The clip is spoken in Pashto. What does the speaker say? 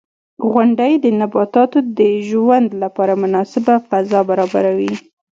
• غونډۍ د نباتاتو د ژوند لپاره مناسبه فضا برابروي.